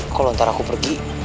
kalo ntar aku pergi